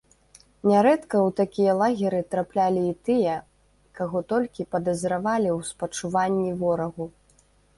Нярэдка ў такія лагеры траплялі і тыя, каго толькі падазравалі ў спачуванні ворагу.